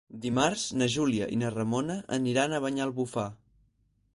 Dimarts na Júlia i na Ramona aniran a Banyalbufar.